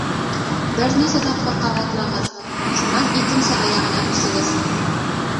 Бер нисә тапҡыр ҡабатлағыҙ, шунан икенсе аяғына күсегеҙ.